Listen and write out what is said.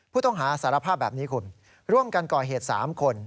ผู้ต้องหาสารภาพแบบนี้คุณร่วมกันก่อเหตุ๓คน